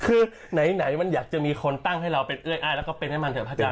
คือไหนมันอยากจะมีคนตั้งให้เราเป็นเอ้ยอ้ายแล้วก็เป็นให้มันเถอะพระอาจาร